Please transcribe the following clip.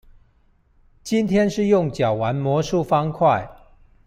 今天是用腳玩魔術方塊